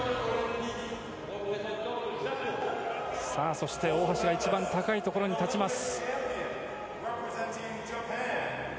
そして大橋が一番高いところに立ちます。